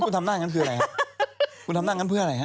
ที่คุณทำด้านกันคืออะไรหะ